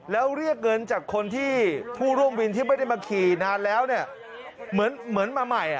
แล้วเรียกเงินจากคนที่ผู้ร่วมวินที่ไม่ได้มาขี้นานแล้วเนี่ย